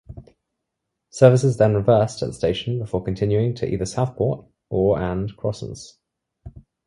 Services then reversed at the station before continuing to either Southport or and Crossens.